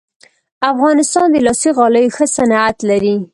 افغانستان د لاسي غالیو ښه صنعت لري